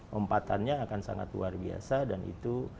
lompatannya akan sangat luar biasa dan itu